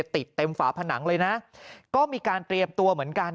เต็มฝาผนังเลยนะก็มีการเตรียมตัวเหมือนกัน